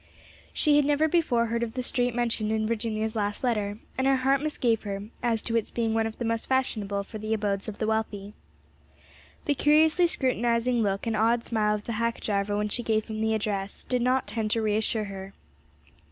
She had never before heard of the street mentioned in Virginia's last letter, and her heart misgave her as to its being one of the most fashionable for the abodes of the wealthy. The curiously scrutinizing look and odd smile of the hack driver when she gave him the address did not tend to reassure her.